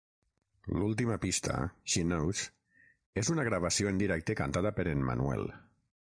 L'última pista, "She Knows", és una gravació en directe cantada per en Manuel.